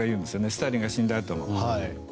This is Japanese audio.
スターリンが死んだあと。